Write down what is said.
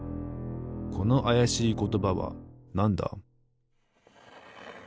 このあやしいことばはなんだ？